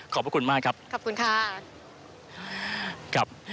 ขอบคุณมากครับ